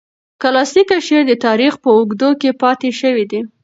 کلاسیک شعر د تاریخ په اوږدو کې پاتې شوی دی.